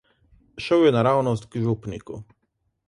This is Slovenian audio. Šel je naravnost k župniku.